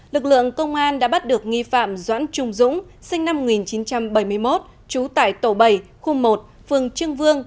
lực lượng công an đã bắt được nghi phạm doãn trung dũng sinh năm một nghìn chín trăm bảy mươi một trú tại tổ bảy khu một phường trương vương